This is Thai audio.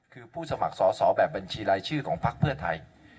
คือผู้สมัครสอบแบบบัญชีรายชื่อของพักเพื่อไทย